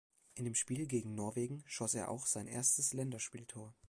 In dem Spiel gegen Norwegen schoss er auch sein erstes Länderspieltor.